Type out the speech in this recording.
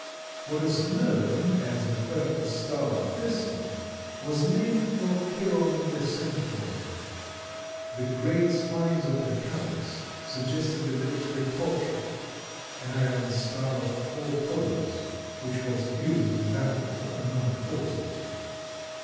What is known as the purple star thistle was named for Chiron the Centaur. The great spines on the calyx suggested the military caltrop, an iron star of four points, which was used in battle to annoy horses.